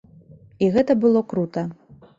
І гэта было крута.